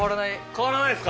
変わらないです。